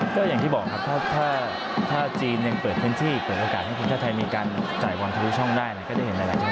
ก็อย่างที่บอกครับถ้าจีนยังเปิดทั้งที่เปิดโอกาสให้ปริศนาไทยใจมันธุรกิจช่องได้